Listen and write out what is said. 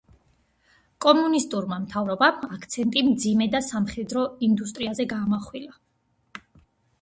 კომუნისტურმა მთავრობამ აქცენტი მძიმე და სამხედრო ინდუსტრიაზე გაამახვილა.